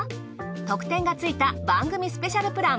特典がついた番組スペシャルプラン。